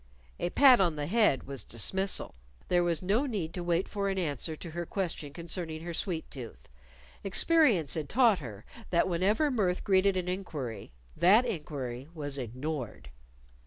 A pat on the head was dismissal: There was no need to wait for an answer to her question concerning her sweet tooth. Experience had taught her that whenever mirth greeted an inquiry, that inquiry was ignored.